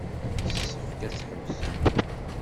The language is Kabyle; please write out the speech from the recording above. Yessefk ad t-tḥebsem.